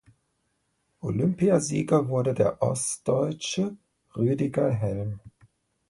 Olympiasieger wurde der Ostdeutsche Rüdiger Helm.